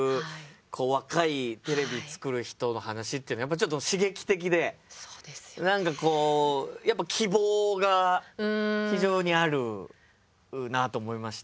こう若いテレビ作る人の話ってちょっと刺激的で何かこうやっぱ希望が非常にあるなと思いました。